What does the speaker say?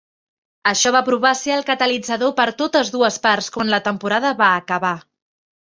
Això va provar ser el catalitzador per totes dues parts quan la temporada va acabar.